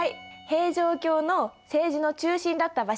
平城京の政治の中心だった場所